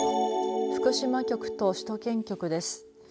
福島局と首都圏局です。